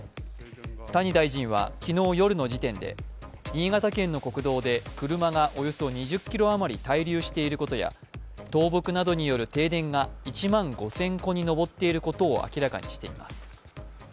谷大臣は昨日夜の時点で新潟県の国道で車がおよそ２０ｋｍ余り滞留していることや倒木などによる停電が１万５０００戸に上っていることを明らかにしています。